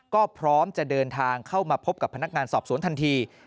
ก็พร้อมจะเดินทางเข้ามาพบกับพนักงานสอบสวนทันที